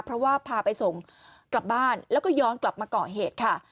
เพราะว่าพาไปส่งกลับบ้านแล้วก็ย้อนกลับมาก่อเหตุค่ะ